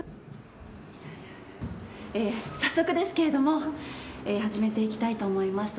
早速ですけども始めていきたいと思います。